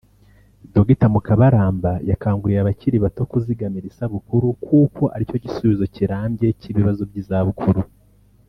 Dr Mukabaramba yakanguriye abakiri bato kuzigamira izabukuru kuko ari cyo gisubizo kirambye cy’ibibazo by’izabukuru